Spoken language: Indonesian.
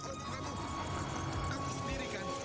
hei cepo bangun